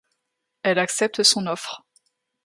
Elle accepte son offre.